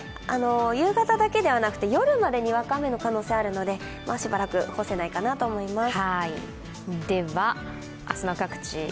夕方だけではなく夜までにわか雨の可能性あるのでしばらく干せないかなと思います。